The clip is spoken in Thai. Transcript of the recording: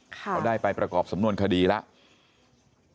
เขาได้ไปประกอบสำนวนคดีแล้ว